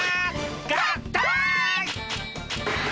合体！